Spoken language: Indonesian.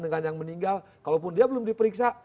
dengan yang meninggal kalaupun dia belum diperiksa